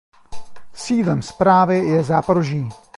Sídlem správy je Záporoží.